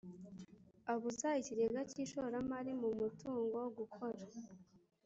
abuza ikigega cy’ishoramari mu mutungo gukora